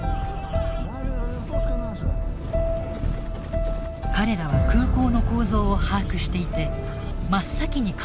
彼らは空港の構造を把握していて真っ先に管制塔を占拠しました。